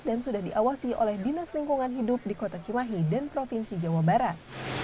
dan sudah diawasi oleh dinas lingkungan hidup di kota cimahi dan provinsi jawa barat